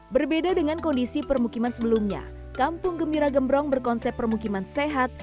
berbeda dengan kondisi permukiman sebelumnya kampung gembira gembrong berkonsep permukiman sehat